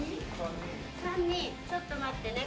３人、ちょっと待ってね。